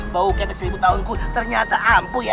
bau ketek seribu tahunku ternyata ampu ya